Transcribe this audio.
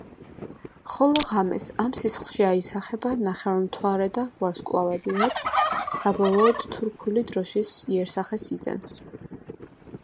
ხოლო ღამეს ამ სისხლში აისახება ნახევარმთვარე და ვარსკვლავები, რაც საბოლოოდ თურქული დროშის იერსახეს იძენს.